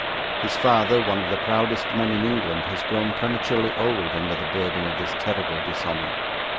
His father, one of the proudest men in England, has grown prematurely old under the burden of this terrible dishonour.